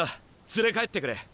連れ帰ってくれ。